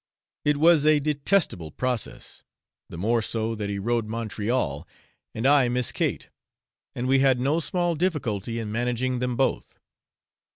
It was a detestable process, the more so that he rode Montreal and I Miss Kate, and we had no small difficulty in managing them both.